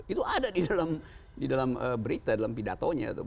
itu ada di dalam berita dalam pidatonya